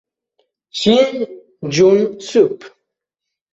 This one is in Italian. Shin Joon-sup